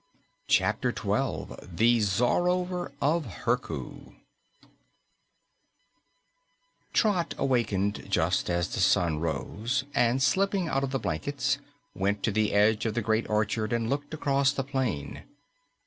CHAPTER 12 THE CZAROVER OF HERKU Trot wakened just as the sun rose, and slipping out of the blankets, went to the edge of the Great Orchard and looked across the plain.